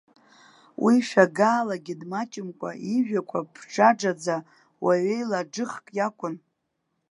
Уи шәагаалагьы дмаҷымкәа, ижәҩақәа ԥџаџаӡа, уаҩеилаџыхк иакәын.